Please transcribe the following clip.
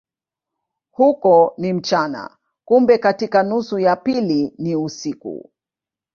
Huko ni mchana, kumbe katika nusu ya pili ni usiku.